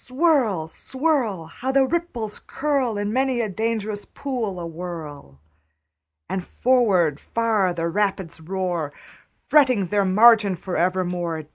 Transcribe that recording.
Swirl, swirl! How the ripples curl In many a dangerous pool awhirl! And forward far the rapids roar, Fretting their margin for evermore.